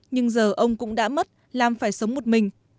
nhưng giờ ông cũng đã mất làm phải sống một mình